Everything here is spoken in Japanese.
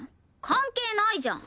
関係ないじゃん！